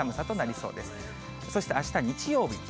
そしてあした日曜日。